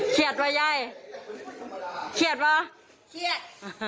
เชียดไว้ยายเชียดว่ะเชียด